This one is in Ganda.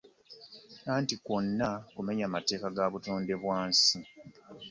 Anti kwonna kumenya mateeka ga butonde bw'ensi